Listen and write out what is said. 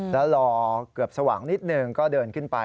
แล้วรอเกือบสว่างนิดหนึ่งก็เดินขึ้นไป